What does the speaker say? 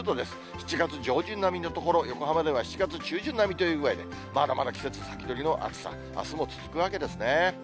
７月上旬並みの所、横浜では７月中旬並みというぐらいで、まだまだ季節先取りの暑さ、あすも続くわけですね。